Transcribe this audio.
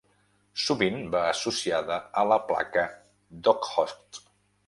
Sovint va associada a la placa d'Okhotsk.